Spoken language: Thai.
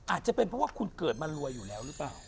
อาจจะเป็นเพราะว่าคุณเกิดมารวยอยู่แล้วหรือเปล่า